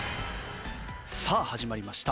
さあ始まりました。